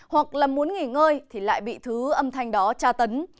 hoặc là muốn nghỉ ngơi thì lại bị thứ âm thanh đó tra tấn